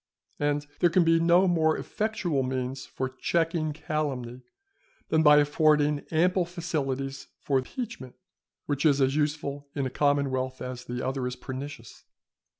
And there can be no more effectual means for checking calumny than by affording ample facilities for impeachment, which is as useful in a commonwealth as the other is pernicious.